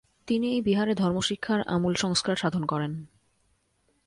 তিনি এই বিহারে ধর্মশিক্ষার আমূল সংস্কার সাধন করেন।